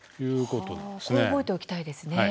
これ覚えておきたいですね。